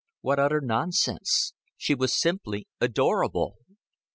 What utter nonsense! She was simply adorable.